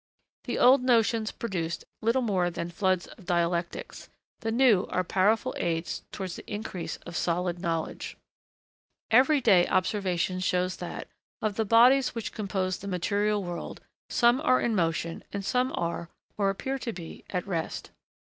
The old notions produced little more than floods of dialectics; the new are powerful aids towards the increase of solid knowledge. [Sidenote: (2) Conservation of energy.] Everyday observation shows that, of the bodies which compose the material world, some are in motion and some are, or appear to be, at rest.